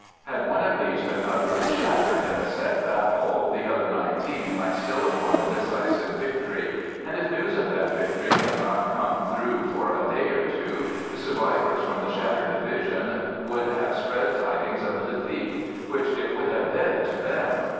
Had one of these been utterly shattered in a set battle, the other nineteen might still have won a decisive victory, and, if news of that victory had not come through for a day or two, the survivors from the shattered division would have spread tidings of a defeat which it would have been, to them.